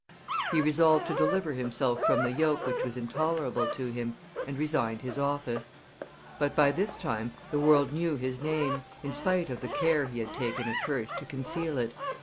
He resolved to deliver himself from the yoke which was intolerable to him, and resigned his office; but by this time the world knew his name, in spite of the care he had taken at first to conceal it.